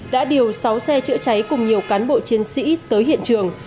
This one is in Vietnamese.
đã điều sáu xe chữa cháy cùng nhiều cán bộ chiến sĩ tới hiện trường